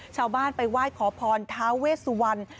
ชาวบ้านไปไหว้ขอพรท้าเวสวรรณ